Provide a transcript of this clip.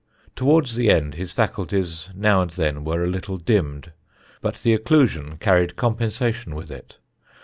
Towards the end his faculties now and then were a little dimmed; but the occlusion carried compensation with it.